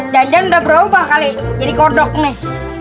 dan dia udah berubah kali jadi kodok nih